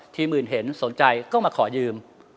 ทีมอื่นเห็นสนใจก็มาขอยืม